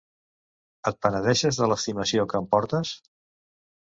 Et penedeixes de l'estimació que em portes?